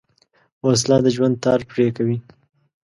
وسله د ژوند تار پرې کوي